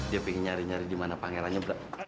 dia pingin nyari nyari di mana pangerannya berada